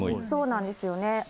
そうなんですよね。